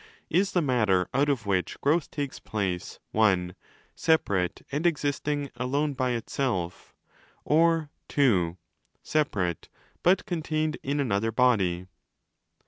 Is the matter, out of which growth takes place, (i) 'separate' and existing alone by itself, or (ii) 'separate' but contained in another body